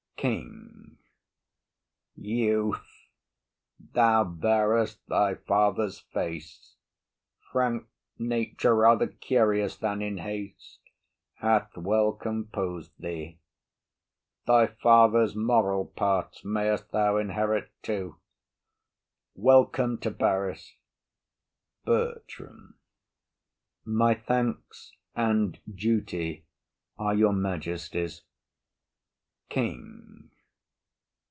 KING. Youth, thou bear'st thy father's face; Frank nature, rather curious than in haste, Hath well compos'd thee. Thy father's moral parts Mayst thou inherit too! Welcome to Paris. BERTRAM. My thanks and duty are your majesty's. KING.